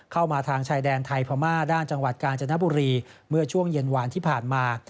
ทางชายแดนไทยพม่าด้านจังหวัดกาญจนบุรีเมื่อช่วงเย็นหวานที่ผ่านมา